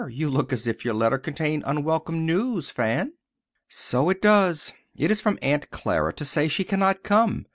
You look as if your letter contained unwelcome news, Fan." "So it does. It is from Aunt Clara, to say she cannot come.